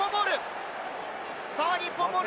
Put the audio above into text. いや、日本ボール。